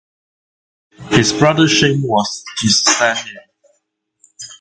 His brother Shane was his stand-in.